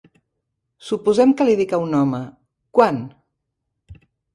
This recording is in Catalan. Suposem que li dic a un home, "quant"?